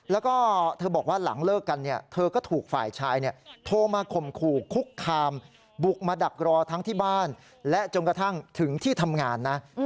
แล้วก็เธอบอกว่าหลังเลิกกันเนี่ยเธอก็ถูกฝ่ายชายโทรมาข่มขู่คุกคามบุกมาดักรอทั้งที่บ้านและจนกระทั่งถึงที่ทำงานนะ